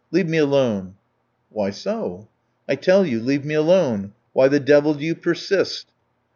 "Leave me alone." "Why so?" "I tell you, leave me alone. Why the devil do you persist?"